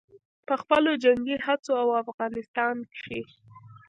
په خپلو جنګي هڅو او افغانستان کښې